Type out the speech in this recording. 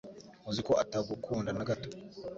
Uzi ko atagukunda nagato